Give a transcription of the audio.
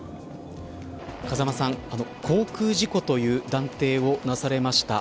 風間さん航空事故という断定をなされました。